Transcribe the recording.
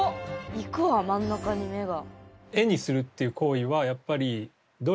行くわ真ん中に目が。